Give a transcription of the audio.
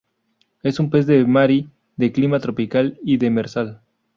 Es un pez de mary, de clima tropical y demersal.